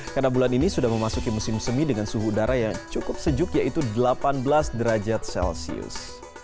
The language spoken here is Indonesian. karena bulan ini sudah memasuki musim semi dengan suhu udara yang cukup sejuk yaitu delapan belas derajat celcius